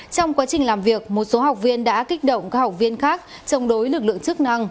trong quá trình làm việc một số học viên đã kích động các học viên khác chống đối lực lượng chức năng